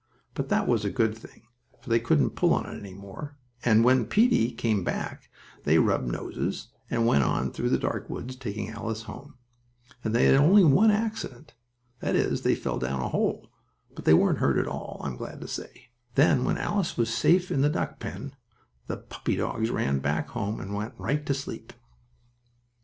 But that was a good thing, for they couldn't pull on it any more, and when Peetie came back they both rubbed noses, and went on through the dark woods, taking Alice home. They had only one accident. That is, they fell down a hole, but they weren't hurt at all, I'm glad to say. Then, when Alice was safe in the duckpen, the puppy dogs ran back home and went right to sleep.